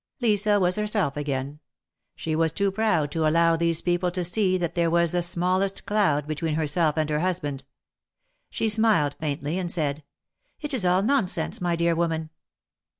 Lisa was herself again. She was too proud to allow these people to see that there was the smallest cloud between herself and her husband. She smiled faintly and said : ^^It is all nonsense, my dear woman."